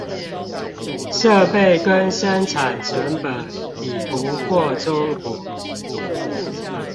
設備跟生產成本比不過中國